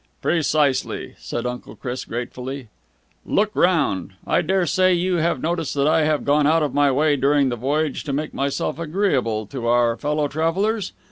"Precisely," said Uncle Chris gratefully. "Look round. I daresay you have noticed that I have gone out of my way during the voyage to make myself agreeable to our fellow travellers?